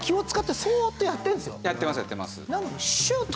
やってますやってます。